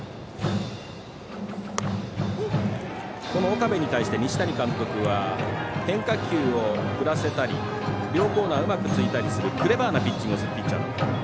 岡部に対して西谷監督は変化球を振らせたり両コーナーうまくついたりするクレバーなピッチングをするピッチャーだと。